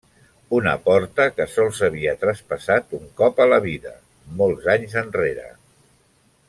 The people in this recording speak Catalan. Una porta que sols havia traspassat un cop a la vida, molts anys enrere.